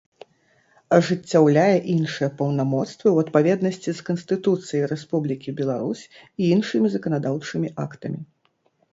Ажыццяўляе iншыя паўнамоцтвы ў адпаведнасцi з Канстытуцыяй Рэспублiкi Беларусь i iншымi заканадаўчымi актамi.